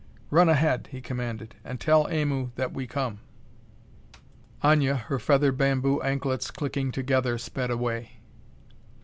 "Run ahead," he commanded, "and tell Aimu that we come." Aña, her feathered bamboo anklets clicking together, sped away.